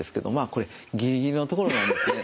これギリギリのところなんですね。